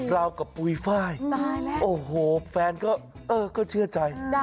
ราวกับปุ้ยไฟล์โอ้โหแฟนก็เชื่อใจ